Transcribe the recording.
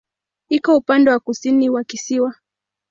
Iko upande wa kusini wa kisiwa.